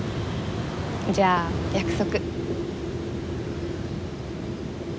じゃあ約束。